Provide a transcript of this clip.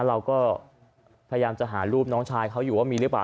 เราก็พยายามจะหารูปน้องชายเขาอยู่ว่ามีหรือเปล่า